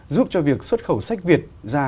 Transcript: giúp cho việc xuất khẩu sách việt ra